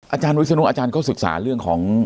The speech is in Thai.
อาจารย์วิศนุอาจารย์เขาศึกษาเรื่องของ